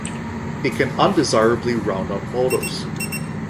It can undesirably round-out models.